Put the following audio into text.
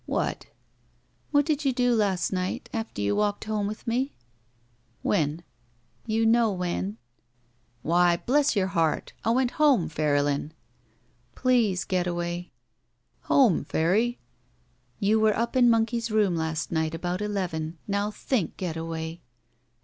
"What?" "What did you do last night, after you walked home with me?" "When?" "You know when." "Why, bless your heart, I went home, Pairylin!" "Please, Getaway —" "Home, Fairy." "You were up in Monkey's room last night about eleven. Now think. Getaway!"